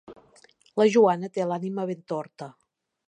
La Joana té l'ànima ben torta.